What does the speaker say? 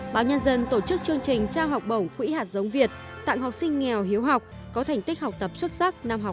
báo nhân dân tổ chức chương trình trao học bổng quỹ hạt giống việt tặng học sinh nghèo hiếu học có thành tích học tập xuất sắc năm học hai nghìn một mươi bảy hai nghìn một mươi tám